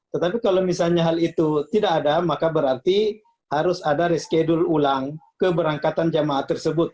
tetapi kalau misalnya hal itu tidak ada maka berarti harus ada reschedule ulang keberangkatan jamaah tersebut